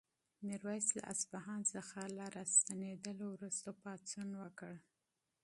میرویس له اصفهان څخه تر راستنېدلو وروسته پاڅون وکړ.